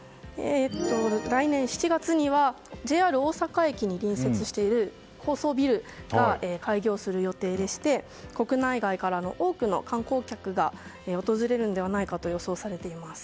来年７月にＪＲ大阪駅に隣接している高層ビルが開業する予定でして国内外からの多くの観光客が訪れるのではないかと予想されています。